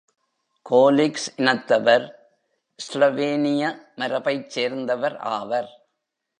கோலிக்ஸ் இனத்தவர் ஸ்லோவேனிய மரபைச் சேர்ந்தவர் ஆவர்.